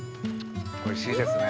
おいしいですね。